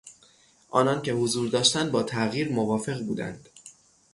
آنان که حضور داشتند با تغییر موافق بودند.